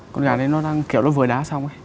con gà đấy nó đang kiểu nó vừa đá xong ấy